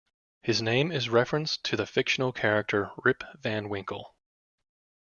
His name is a reference to the fictional character Rip Van Winkle.